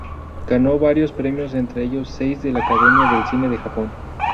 Ganó varios premios, entre ellos seis de la Academia del Cine de Japón.